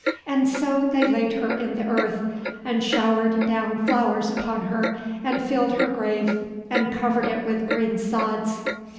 And so they laid her in the earth, and showered down flowers upon her, and filled her grave, and covered it with green sods.